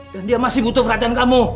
dan dia masih butuh perhatian kamu